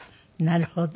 なるほど。